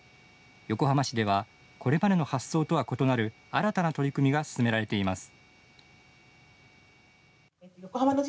横浜市ではこれまでの発想とは異なる新たな取り組みが進められています。